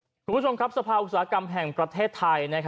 สวัสดีคุณผู้ชมครับสภาวิทยาลัยอุตสาหกรรมแห่งประเทศไทย